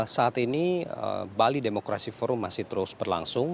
saat ini bali demokrasi forum masih terus berlangsung